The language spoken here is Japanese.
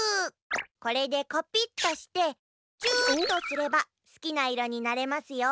これでコピッとしてチューとすればすきないろになれますよ。